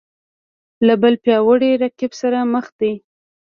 له بل پیاوړي رقیب سره مخ دی